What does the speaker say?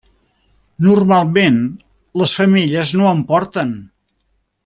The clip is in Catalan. Normalment les femelles no en porten.